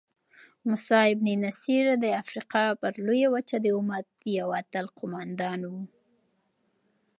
موسی بن نصیر د افریقا پر لویه وچه د امت یو اتل قوماندان وو.